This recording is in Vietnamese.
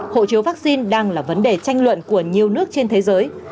hộ chiếu vaccine đang là vấn đề tranh luận của nhiều nước trên thế giới